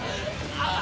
ああ！